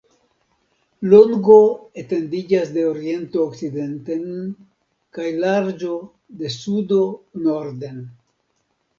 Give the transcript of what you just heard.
Longo etendiĝas de oriento okcidenten kaj larĝo de sudo norden.